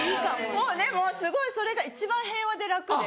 もうでもすごいそれが一番平和で楽で。